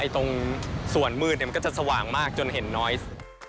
ตรงส่วนมืดมันก็จะสว่างมากจนเห็นน้อย